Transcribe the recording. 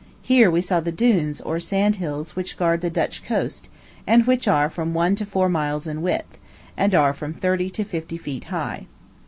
Here we saw the Dunes, or Sand Hills, which guard the Dutch coast, and which are from one to four miles in width, and are from thirty to fifty feet high.